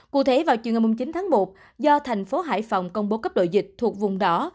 cụ thể vào chiều ngày chín tháng một do thành phố hải phòng công bố cấp độ dịch thuộc vùng đỏ